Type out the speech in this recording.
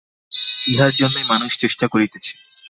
ইহার জন্যই মানুষ চেষ্টা করিতেছে।